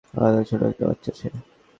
ছোটো একটা বাচ্চা সে।